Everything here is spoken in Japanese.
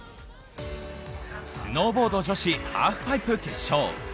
スノーボード女子ハーフパイプ決勝。